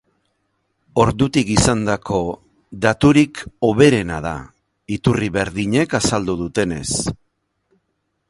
Ordutik izandako daturik hoberena da, iturri berdinek azaldu dutenez.